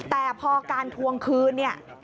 แต่พอการทวงคืนเนี่ย